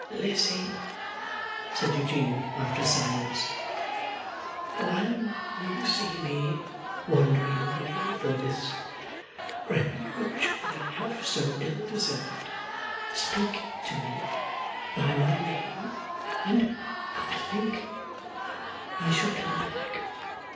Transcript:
'Lizzie,' said Eugene, after a silence: 'when you see me wandering away from this refuge that I have so ill deserved, speak to me by my name, and I think I shall come back.